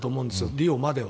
リオまでは。